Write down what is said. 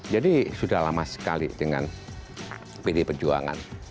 jadi sudah lama sekali dengan pdi perjuangan